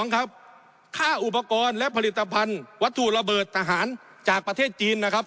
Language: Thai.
ครับค่าอุปกรณ์และผลิตภัณฑ์วัตถุระเบิดทหารจากประเทศจีนนะครับ